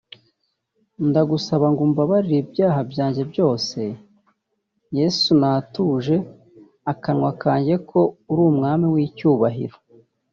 ndagusaba ngo umbabarire ibyaha byajye byose; Yesu natuje akanwa kanjye ko uri umwami w’icyubahiro